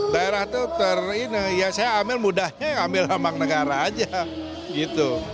daerah itu ter ini ya saya ambil mudahnya ambil ambang negara aja gitu